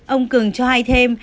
ông cường cho hay thêm